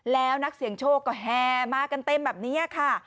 แล้วนักเสี่ยงโชคก็แห่มากันเต็มแบบนี้ค่ะ